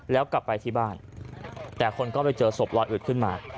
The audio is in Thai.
แล้วกลับไปที่บ้านแต่คนก็ไปเจอศพลอยอืดขึ้นมา